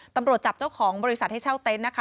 ตำรวจจับเจ้าของบริษัทให้เช่าเต็นต์นะคะ